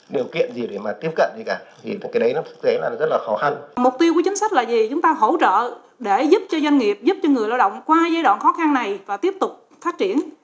mục tiêu của chính sách là gì chúng ta hỗ trợ để giúp cho doanh nghiệp giúp cho người lao động qua giai đoạn khó khăn này và tiếp tục phát triển